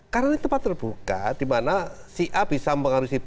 karena ini tempat terbuka di mana si a bisa mengaruhi si b